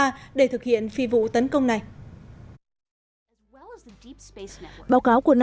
báo cáo của nasa cho biết vụ tấn công này đã xảy ra trong một trường hợp